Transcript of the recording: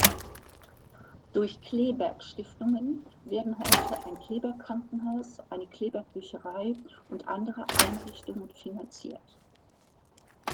Durch Kleberg-Stiftungen werden heute ein Kleberg-Krankenhaus, eine Kleberg-Bücherei und andere Einrichtungen finanziert.